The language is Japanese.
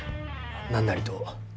何なりと。